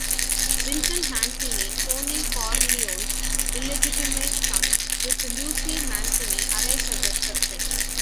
Vincent Mancini, Sonny Corleone's illegitimate son with Lucy Mancini, arrives at the reception.